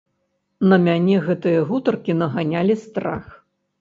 На мяне гэтыя гутаркі наганялі страх.